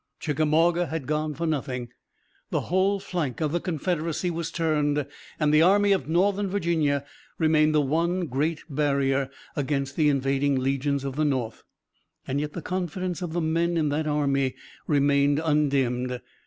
Chickamauga had gone for nothing, the whole flank of the Confederacy was turned and the Army of Northern Virginia remained the one great barrier against the invading legions of the North. Yet the confidence of the men in that army remained undimmed.